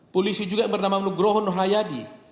polisi juga bernama nugrohon nurhayadi